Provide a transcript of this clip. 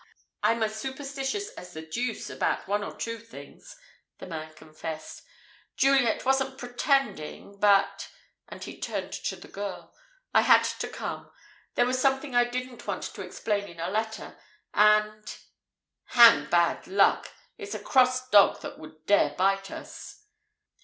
I'm as superstitious as the deuce about one or two things," the man confessed. "Juliet wasn't 'pretending' but" and he turned to the girl "I had to come. There was something I didn't want to explain in a letter, and hang 'bad luck!' It's a cross dog that would dare bite us."